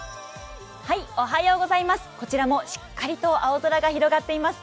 こちらもしっかりと青空が広がっています。